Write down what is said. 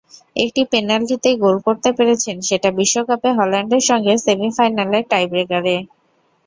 একটি পেনাল্টিতেই গোল করতে পেরেছেন, সেটা বিশ্বকাপে হল্যান্ডের সঙ্গে সেমিফাইনালের টাইব্রেকারে।